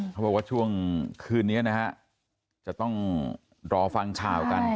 เขาบอกว่าช่วงคืนนี้นะฮะจะต้องรอฟังข่าวกัน